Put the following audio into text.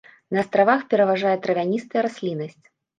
На астравах пераважае травяністая расліннасць.